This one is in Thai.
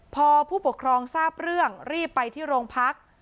พอผู้ปกครองทราบเรื่องรีบไปที่โรงพัก